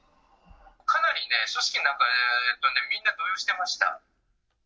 かなりね、組織の中でみんな動揺してました。